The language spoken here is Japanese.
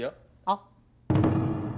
あっ。